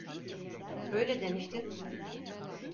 Öyle demiştin.